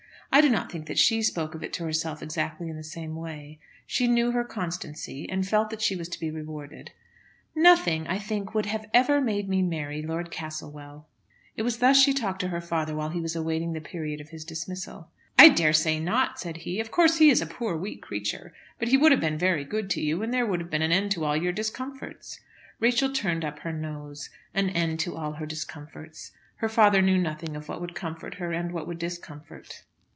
I do not think that she spoke of it to herself exactly in the same way. She knew her own constancy, and felt that she was to be rewarded. "Nothing, I think, would ever have made me marry Lord Castlewell." It was thus she talked to her father while he was awaiting the period of his dismissal. "I dare say not," said he. "Of course he is a poor weak creature. But he would have been very good to you, and there would have been an end to all your discomforts." Rachel turned up her nose. An end to all her discomforts! Her father knew nothing of what would comfort her and what would discomfort.